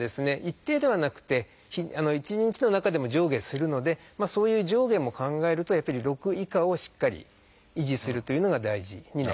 一定ではなくて１日の中でも上下するのでそういう上下も考えるとやっぱり６以下をしっかり維持するというのが大事になります。